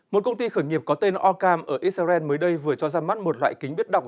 một công ty khởi nghiệp có tên orcam ở israel mới đây vừa cho ra mắt một loại kính biết đọc